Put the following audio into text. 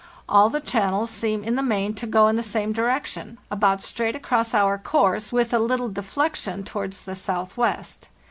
All the channels seem in the main to go in the same direction—about straight across our course, with a little deflection towards the southwest.